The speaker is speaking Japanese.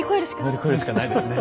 乗り越えるしかないですね。